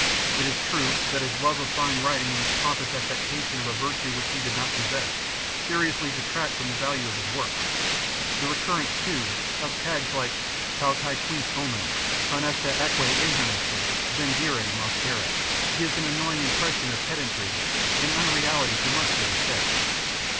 It is true that his love of fine writing and his pompous affectation of a virtue which he did not possess, seriously detract from the value of his work ; the recurrence, too, of tags like " pauci quis omnia, honesta atque inhonesta, vendere mos erat," gives an annoying impression of pedantry and unreal ity to much that he says.